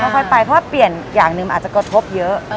ค่อยไปเพราะว่าเปลี่ยนอย่างหนึ่งมันอาจจะกระทบเยอะ